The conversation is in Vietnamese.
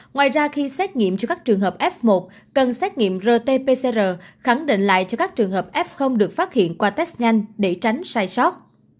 ngoài ra khi xét nghiệm cho các trường hợp f một cần xét nghiệm rt pcr khẳng định lại cho các trường hợp f được phát hiện qua test nhanh để tránh sai sót